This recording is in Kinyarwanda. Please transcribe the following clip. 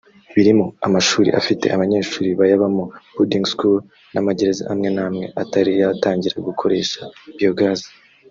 birimo amashuri afite abanyeshuri bayabamo (boarding schools) n’amagerereza amwe n’amwe atari yatangira gukoresha biogas